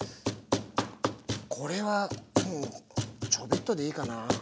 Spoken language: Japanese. これはもうちょっとでいいかな。